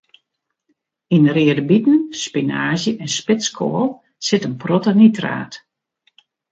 Yn reade biten, spinaazje en spitskoal sit in protte nitraat.